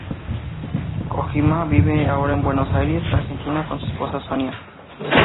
Kojima vive ahora en Buenos Aires, Argentina con su esposa Sonia.